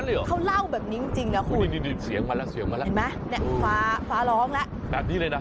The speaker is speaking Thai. อุ๊ยเขาเล่าแบบนี้จริงนะคุณฟ้าร้องแล้ว